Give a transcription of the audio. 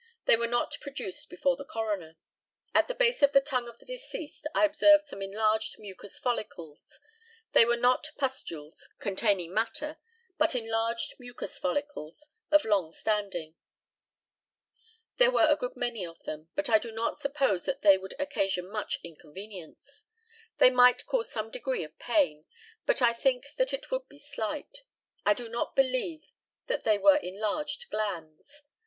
They were not produced before the coroner. At the base of the tongue of the deceased I observed some enlarged mucous follicles; they were not pustules containing matter, but enlarged mucous follicles of long standing. There were a good many of them, but I do not suppose that they would occasion much inconvenience. They might cause some degree of pain, but I think that it would be slight. I do not believe that they were enlarged glands.